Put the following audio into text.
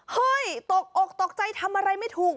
เฮ้ยตกอกตกใจทำอะไรไม่ถูก